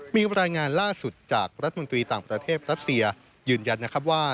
มีรายงานล่าสุดจากรัฐมนตรีต่างประเทศรัสเซียยืนยันนะครับว่า